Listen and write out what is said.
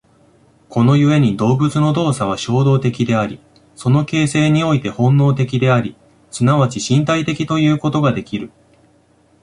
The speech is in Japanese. この故に動物の動作は衝動的であり、その形成において本能的であり、即ち身体的ということができる。